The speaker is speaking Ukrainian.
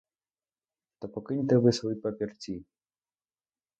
Та покиньте ви свої папірці.